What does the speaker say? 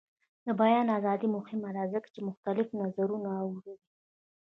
د بیان ازادي مهمه ده ځکه چې مختلف نظرونه اوري.